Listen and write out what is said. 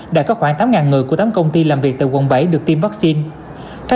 đã có khoảng tám người của tám công ty làm việc tại quận bảy được tiêm vaccine